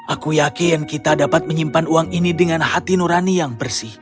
aku yakin kita dapat menyimpan uang ini dengan hati nurani yang bersih